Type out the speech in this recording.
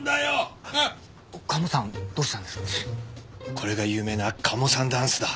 これが有名なカモさんダンスだ。